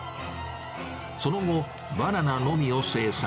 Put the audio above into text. その後、バナナのみを精算。